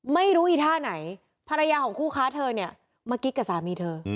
อีท่าไหนภรรยาของคู่ค้าเธอเนี่ยมากิ๊กกับสามีเธอ